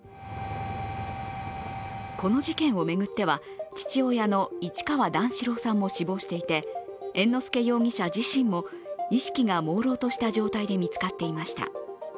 この事件を巡っては、父親の市川段四郎さんも死亡していて、猿之助容疑者自身も意識がもうろうとした状態で見つかっていました。